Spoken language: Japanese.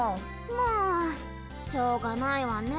もうしようがないわね。